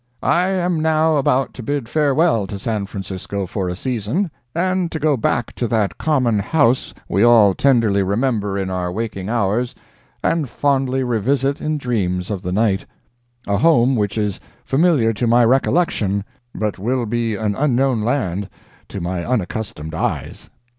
"I am now about to bid farewell to San Francisco for a season, and to go back to that common home we all tenderly remember in our waking hours and fondly revisit in dreams of the night—a home which is familiar to my recollection, but will be an unknown land to my unaccustomed eyes.